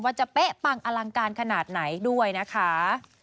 จะเป๊ะปังอลังการขนาดไหนด้วยนะคะ